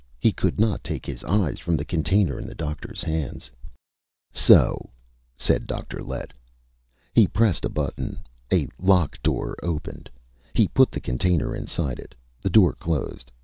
He could not take his eyes from the container in the doctor's hands. "So!" said Dr. Lett. He pressed a button. A lock door opened. He put the container inside it. The door closed.